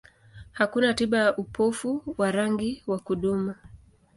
Hakuna tiba ya upofu wa rangi wa kudumu.